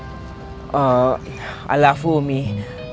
saya menanggung ustadz